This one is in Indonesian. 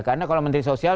karena kalau menteri sosial